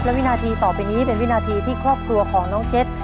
และวินาทีต่อไปนี้เป็นวินาทีที่ครอบครัวของน้องเจ็ด